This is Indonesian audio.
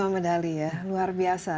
lima medali ya luar biasa